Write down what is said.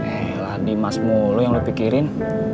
eh lah dimas mulu yang lo pikirin